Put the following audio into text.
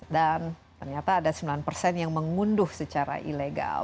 dan ternyata ada sembilan persen yang mengunduh secara ilegal